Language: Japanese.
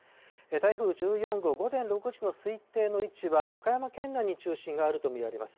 台風１４号、午前６時の推定の位置は和歌山県内に中心があると見られます。